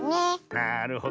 なるほど。